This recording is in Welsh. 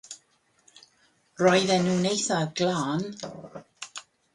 Roedden nhw'n eithaf glân.